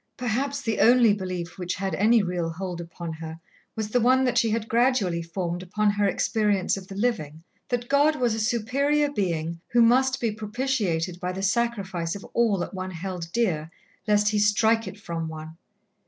Perhaps the only belief which had any real hold upon her was the one that she had gradually formed upon her experience of the living that God was a Superior Being who must be propitiated by the sacrifice of all that one held dear, lest He strike it from one.